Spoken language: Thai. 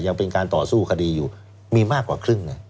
ยังเป็นการต่อสู้คดีอยู่มีมากกว่าครึ่ง